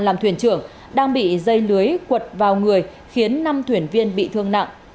làm thuyền trưởng đang bị dây lưới quật vào người khiến năm thuyền viên bị thương nặng